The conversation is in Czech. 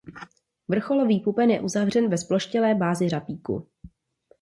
Vrcholový pupen je uzavřen ve zploštělé bázi řapíku.